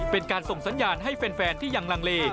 เป็นการส่งสัญญาณให้แฟนที่ยังลังเล